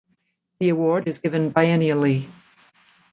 The award is given biennially.